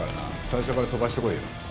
最初から飛ばしてこいよ。